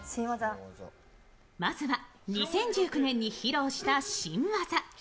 まずは２０１９年に披露した新技。